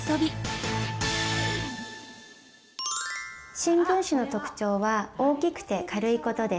新聞紙の特徴は大きくて軽いことです。